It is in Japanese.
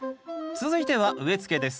続いては植え付けです。